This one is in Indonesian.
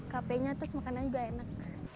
kafe nya terus makanan juga enak